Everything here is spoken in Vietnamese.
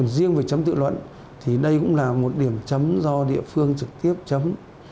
riêng về chấm tự luận thì đây cũng là một điểm chấm do địa phương trực tiếp chấm